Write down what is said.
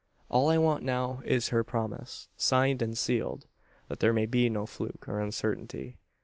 All I want now is her promise; signed and sealed, that there may be no fluke, or uncertainty.